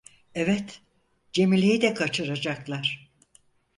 Evet, Cemile'yi de kaçıracaklar.